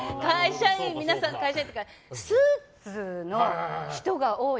皆さん、会社員というかスーツの人が多い。